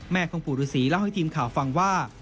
ของปู่ฤษีเล่าให้ทีมข่าวฟังว่า